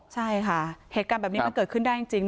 ใช่ค่ะเหตุการณ์แบบนี้มันเกิดขึ้นได้จริง